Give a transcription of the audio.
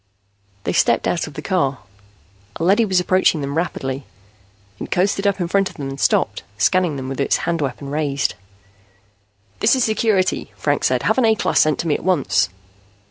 They stepped out of the car. A leady was approaching them rapidly. It coasted up in front of them and stopped, scanning them with its hand weapon raised. "This is Security," Franks said. "Have an A class sent to me at once."